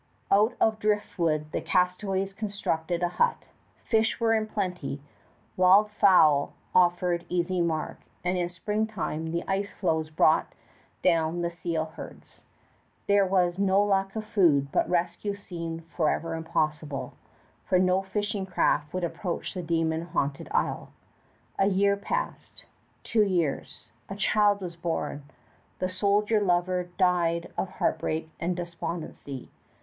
Out of driftwood the castaways constructed a hut. Fish were in plenty, wild fowl offered easy mark, and in springtime the ice floes brought down the seal herds. There was no lack of food, but rescue seemed forever impossible; for no fishing craft would approach the demon haunted isle. A year passed, two years, a child was born. The soldier lover died of heartbreak and despondency.